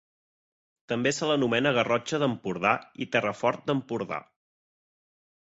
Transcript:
També se l'anomena Garrotxa d'Empordà i Terrafort d'Empordà.